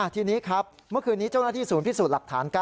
ทีนี้ครับเมื่อคืนนี้เจ้าหน้าที่ศูนย์พิสูจน์หลักฐาน๙